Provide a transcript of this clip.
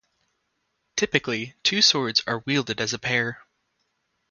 Typically, two swords are wielded as a pair.